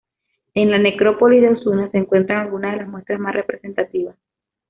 En la necrópolis de Osuna se encuentran algunas de las muestras más representativas.